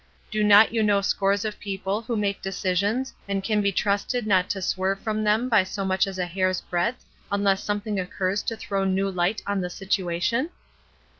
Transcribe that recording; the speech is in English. Do not you know scores of people who make decisions and can be trusted not to swerve from them by so much as a hair's breadth, unless something occurs to throw new light on the situation?"